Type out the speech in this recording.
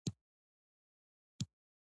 دا د استعمار خاصیت دی.